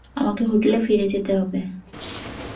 আমাকে হোটেলে ফিরে যেতে হবে।